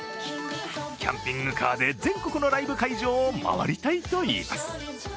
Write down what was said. キャンピングカーで全国のライブ会場を回りたいといいます。